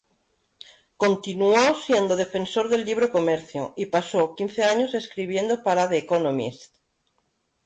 Continuó siendo defensor del libre comercio y pasó quince años escribiendo para "The Economist".